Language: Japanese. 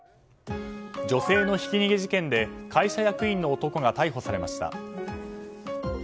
女性のひき逃げ事件で会社役員の男が逮捕されました。